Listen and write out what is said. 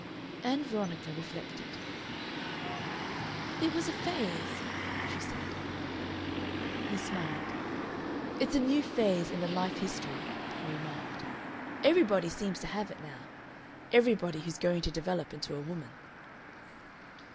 Ann Veronica reflected. "It was a phase," she said. He smiled. "It's a new phase in the life history," he remarked. "Everybody seems to have it now. Everybody who's going to develop into a woman."